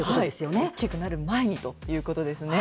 大きくなる前にということですね。